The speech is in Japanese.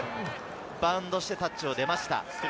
バウンドしてタッチを出ました。